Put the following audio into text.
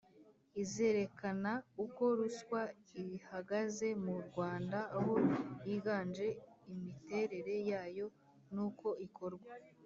izerekana uko ruswa ihagaze mu rwanda aho yiganje imiterere yayo nuko ikorwa